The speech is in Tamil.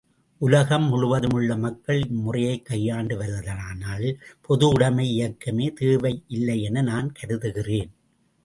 உலகம் முழுதும் உள்ள மக்கள் இம்முறையைக் கையாண்டு வருவதானால், பொதுவுடைமை இயக்கமே தேவையில்லை என நான் கருதுகிறேன்.